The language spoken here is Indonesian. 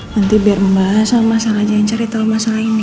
nanti biar membahas sama salah jangan cari tahu masalah ini